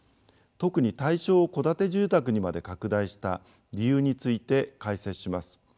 特に対象を戸建て住宅にまで拡大した理由について解説します。